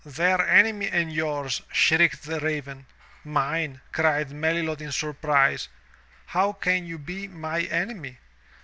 "Their enemy and yours/* shrieked the raven. "Mine,'* cried Melilot in surprise. "How can you be my enemy?